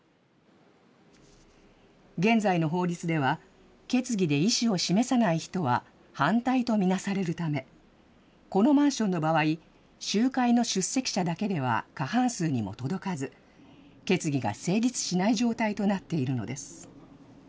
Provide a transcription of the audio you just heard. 現在の法律では、決議で意思を示さない人は反対と見なされるため、このマンションの場合、集会の出席者だけでは過半数にも届かず、決議が成立しない状態となっているのです。